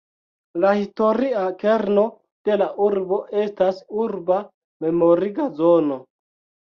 La historia kerno de la urbo estas urba memoriga zono.